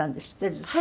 ずっと。